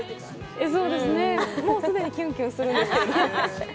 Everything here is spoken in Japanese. もう既にキュンキュンするんですけど。